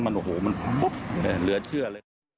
โอโฮมันปุ๊บเดี๋ยวเชื่อเลย